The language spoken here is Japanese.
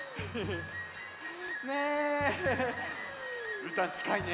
うーたんちかいね。ね。